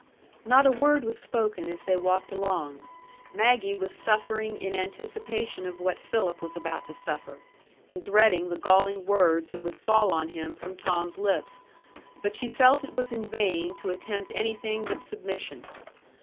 Not a word was spoken as they walked along. Maggie was suffering in anticipation of what Philip was about to suffer, and dreading the galling words that would fall on him from Tom's lips; but she felt it was in vain to attempt anything but submission.